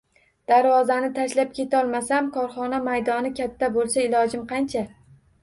Darvozani tashlab ketolmasam, korxona maydoni katta bo`lsa, ilojim qancha